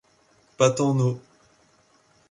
Patent No.